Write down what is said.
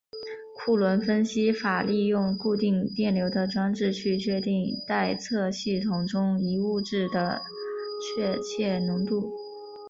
库伦分析法利用固定电流的装置去确定待测系统中一物质的确切浓度。